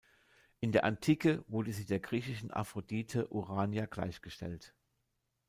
In der Antike wurde sie der griechischen Aphrodite Urania gleichgestellt.